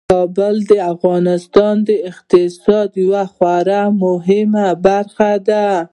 کابل د افغانستان د اقتصاد یوه خورا مهمه برخه ده.